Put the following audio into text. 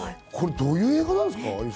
どういう映画なんですか？